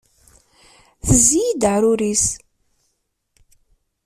Tezzi-iyi-d aɛrur-is.